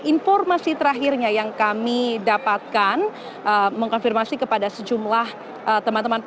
informasi terakhirnya yang kami dapatkan mengkonfirmasi kepada sejumlah teman teman